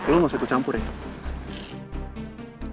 lu mau satu campur ya